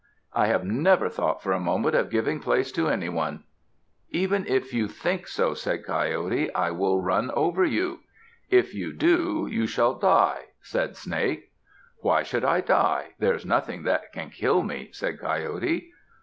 I have never thought for a moment of giving place to anyone!" "Even if you think so," said Coyote, "I will run over you." "If you do so, you shall die," said Snake. "Why should I die? There is nothing that can kill me," said Coyote.